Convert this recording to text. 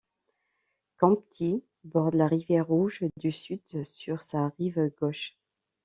Campti borde la rivière Rouge du Sud sur sa rive gauche.